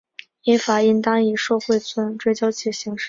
依法应当以受贿罪追究其刑事责任